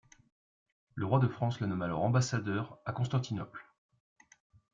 Le roi de France le nomme alors ambassadeur à Constantinople.